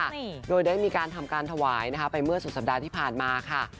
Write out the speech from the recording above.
โดยด้วยมีทำการทำการถวายเมื่อศูนย์สัปดาห์ที่ผ่านมาค่ะ